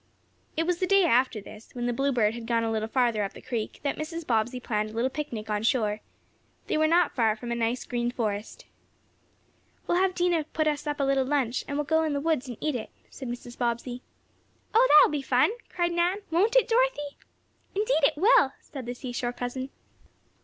It was the day after this, when the Bluebird had gone a little farther up the creek, that Mrs. Bobbsey planned a little picnic on shore. They were not far from a nice, green forest. "We'll have Dinah put us up a little lunch, and we'll go in the woods and eat it," said Mrs. Bobbsey. "Oh, that will be fun!" cried Nan. "Won't it, Dorothy?" "Indeed it will," said the seashore cousin.